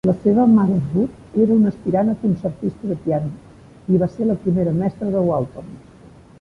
La seva mare Ruth era una aspirant a concertista de piano, i va ser la primera mestra de Walton.